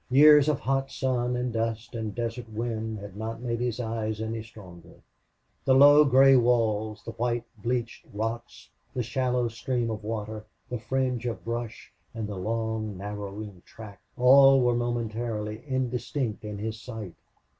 Years of hot sun and dust and desert wind had not made his eyes any stronger. The low gray walls, the white bleached rocks, the shallow stream of water, the fringe of brush, and the long narrowing track all were momentarily indistinct in his sight.